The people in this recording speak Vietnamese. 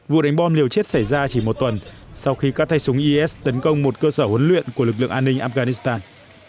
vụ đánh bom liều chết xảy ra chỉ một tuần sau khi các tay súng is tấn công một cơ sở huấn luyện của lực lượng an ninh afghanistan